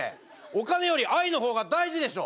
お金より愛の方が大事でしょ！